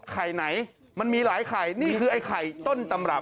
ไข่ไหนมันมีหลายไข่นี่คือไอ้ไข่ต้นตำรับ